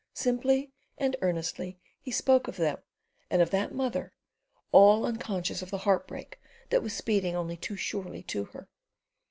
Simply and earnestly he spoke of them and of that mother, all unconscious of the heartbreak that was speeding only too surely to her.